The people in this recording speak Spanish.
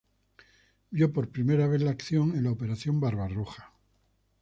Vio por primera vez la acción en la Operación Barbarroja.